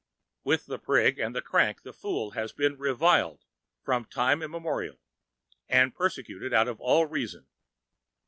With the prig and the crank, the fool has been reviled from time immemorial, and persecuted out of all reason.